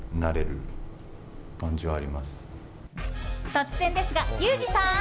突然ですが、ユージさん。